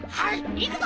いくぞ！